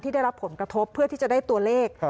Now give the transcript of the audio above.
ได้รับผลกระทบเพื่อที่จะได้ตัวเลข